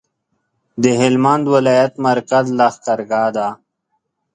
د هلمند ولایت مرکز لښکرګاه ده